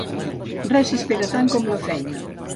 Res s'espera tant com la feina.